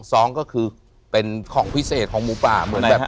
ซ้องก็คือเป็นของพิเศษของหมูป่า